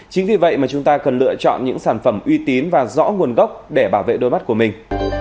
chính vì vậy mà chúng ta cần lựa chọn những sản phẩm uy tín và rõ nguồn gốc để bảo vệ đôi mắt của mình